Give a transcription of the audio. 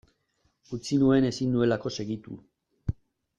Utzi nuen ezin nuelako segitu.